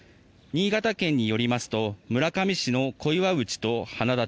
新潟県によりますと村上市の小岩内と花立